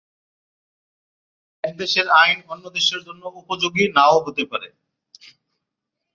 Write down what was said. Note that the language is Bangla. এক দেশের আইন, অন্য দেশের জন্যে উপযোগী না-ও হতে পারে।